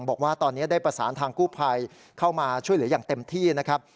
บอกว่าตอนนี้ได้ประสานทางกู้ภัยเข้ามาช่วยเหลืออย่างเต็มที่นะครับ